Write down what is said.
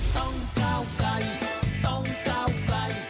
ก้าวไกลต้องก้าวไกล